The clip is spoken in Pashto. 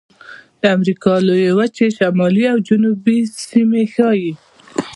د امریکا لویې وچې شمالي او جنوبي سیمې ښيي.